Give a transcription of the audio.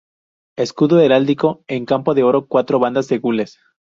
Escudo Heráldico: En campo de oro cuatro bandas de gules.